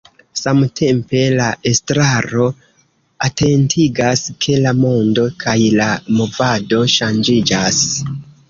Samtempe la estraro atentigas, ke la mondo kaj la movado ŝanĝiĝas.